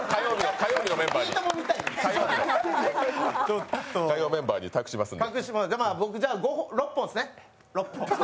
火曜日のメンバーにたくしますんで。